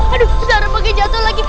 aduh sarah pake jatuh lagi